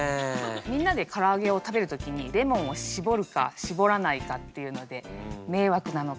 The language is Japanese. みんなでからあげを食べる時にレモンを搾るか搾らないかっていうのであっ。